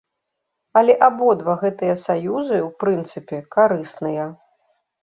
Але абодва гэтыя саюзы, у прынцыпе, карысныя.